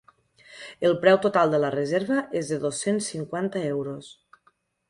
El preu total de la seva reserva és de dos-cents cinquanta euros.